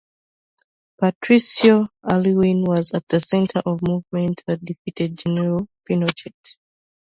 Patricio Aylwin was at the center of the movement that defeated General Pinochet.